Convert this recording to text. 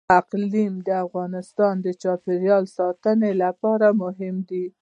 اقلیم د افغانستان د چاپیریال ساتنې لپاره مهم دي.